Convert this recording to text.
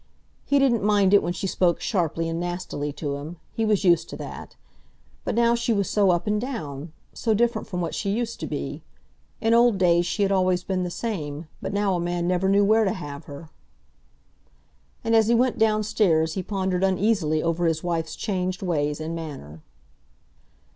He didn't mind it when she spoke sharply and nastily to him. He was used to that. But now she was so up and down; so different from what she used to be! In old days she had always been the same, but now a man never knew where to have her. And as he went downstairs he pondered uneasily over his wife's changed ways and manner.